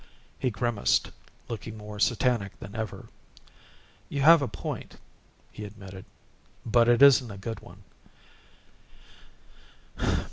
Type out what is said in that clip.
He grimaced, looking more satanic than ever. "You have a point," he admitted, "but it isn't a good one.